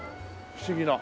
不思議な。